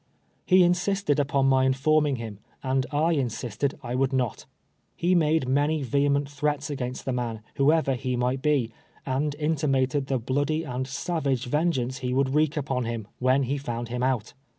He insisted upon my informing him, and I insisted I would not. He made many vehement threats against the man, whoever he might be, and intinuited the bloody and savage vengeance he would wreak upon 2U 306 TWELVE YEAKS A SLAAI!. him, when lie found him out.